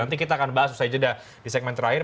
nanti kita akan bahas usai jeda di segmen terakhir